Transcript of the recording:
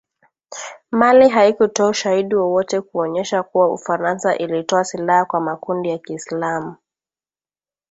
Mali haikutoa ushahidi wowote kuonyesha kuwa Ufaransa ilitoa silaha kwa makundi ya Kiislamu